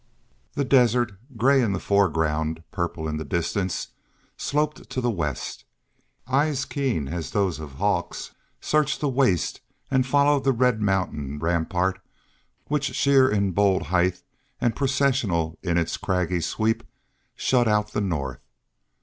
The desert, gray in the foreground, purple in the distance, sloped to the west. Eyes keen as those of hawks searched the waste, and followed the red mountain rampart, which, sheer in bold height and processional in its craggy sweep, shut out the north.